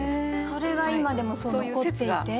それが今でも残っていて？